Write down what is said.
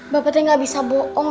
bapak putri gak bisa bohong